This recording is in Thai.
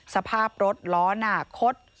สภาพรถล้อนางคต